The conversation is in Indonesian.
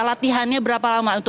latihannya berapa lama